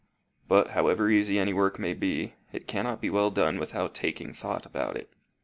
But, however easy any work may be, it cannot be well done without taking thought about it.